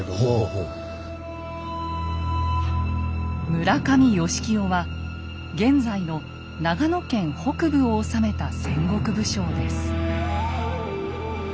村上義清は現在の長野県北部を治めた戦国武将です。